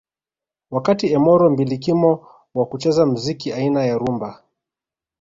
Wakati Emoro mbilikimo wa kucheza mziki aina ya rhumba